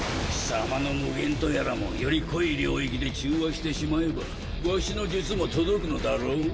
貴様の「無限」とやらもより濃い領域で中和してしまえばわしの術も届くのだろう？